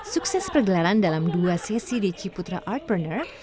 sukses pergelaran dalam dua sesi di ciputra artpreneur